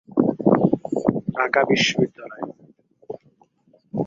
তিনি প্রথমে আনন্দ মোহন কলেজে ও পরবর্তীতে ঢাকা বিশ্ববিদ্যালয়ে শিক্ষা লাভ করেন।